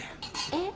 えっ？